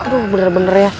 aduh bener bener ya